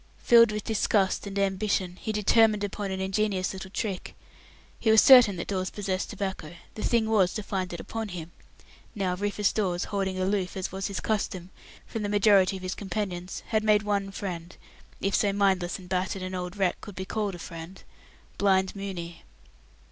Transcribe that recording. Filled with disgust and ambition, he determined upon an ingenious little trick. He was certain that Dawes possessed tobacco; the thing was to find it upon him. Now, Rufus Dawes, holding aloof, as was his custom, from the majority of his companions, had made one friend if so mindless and battered an old wreck could be called a friend Blind Mooney.